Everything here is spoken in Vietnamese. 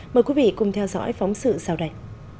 mời quý vị cùng theo dõi phóng sự sau đây